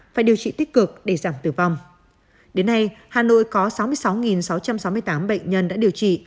phải điều trị tích cực để giảm tử vong đến nay hà nội có sáu mươi sáu sáu trăm sáu mươi tám bệnh nhân đã điều trị